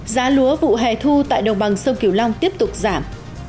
giá lúa vụ hè thu tại đồng bằng sông kiều long tiếp tục giảm